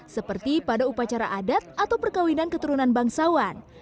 seperti pada upacara adat atau perkawinan keturunan bangsawan